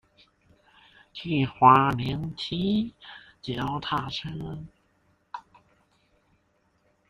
去花蓮騎腳踏車